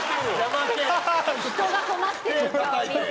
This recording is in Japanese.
人が困ってる顔見て。